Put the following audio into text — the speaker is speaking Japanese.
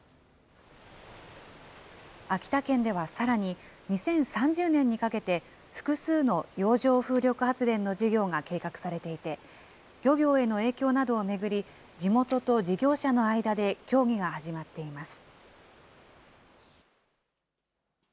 秋田県ではさらに、２０３０年にかけて、複数の洋上風力発電の事業が計画されていて、漁業への影響などを巡り、地元と事業者の間で協議が始まっています。